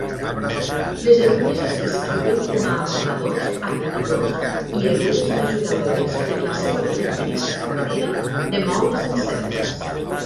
Les erugues es descriuen com a apamadors, acanadors i erugues mesuradores per la seva característica manera de moure's en cercles.